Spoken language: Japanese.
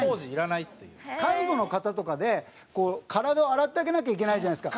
介護の方とかで体を洗ってあげなきゃいけないじゃないですか。